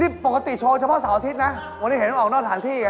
นี่ปกติโชว์เฉพาะเสาร์อาทิตย์นะวันนี้เห็นออกนอกสถานที่ไง